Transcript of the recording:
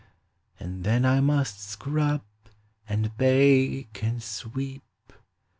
And then 1 must scrub, and bake, and sweep.